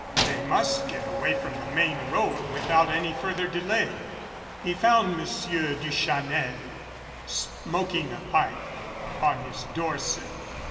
They must get away from the main road without any further delay. He found Monsieur Duchanel smoking a pipe upon his door sill.